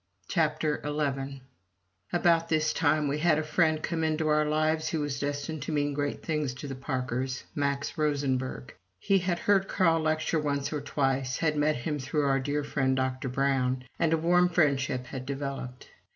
CHAPTER XI About this time we had a friend come into our lives who was destined to mean great things to the Parkers Max Rosenberg. He had heard Carl lecture once or twice, had met him through our good friend Dr. Brown, and a warm friendship had developed.